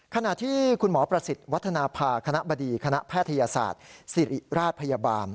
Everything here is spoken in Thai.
ขณะที่คุณหมอประสิทธิ์วัฒนภาคณะบดีคณะแพทยศาสตร์ศิริราชพยาบาล